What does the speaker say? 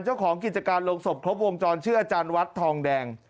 เจ้าของกิจการลงศพครบวงจรชื่ออาจารย์วัดทองแดง